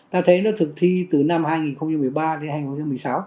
ta thấy nó thực thi từ năm hai nghìn một mươi ba đến hai nghìn một mươi sáu